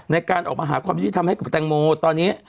ในการออกมาหาความยุติธรรมให้กับแตงโมตอนนี้